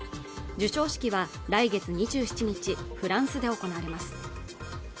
授賞式は来月２７日フランスで行われます